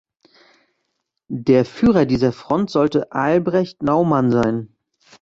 Der Führer dieser Front sollte Albrecht Naumann sein.